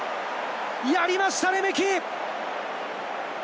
やりました、レメキ！